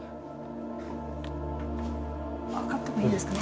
上がってもいいんですかね？